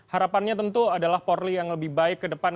harapannya tentu adalah polri yang lebih baik ke depan